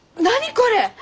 これ！